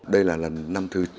đây là lần năm thứ